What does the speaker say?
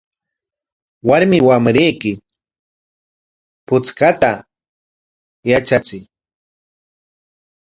Warmi wamrayki puchkayta yatrachiy.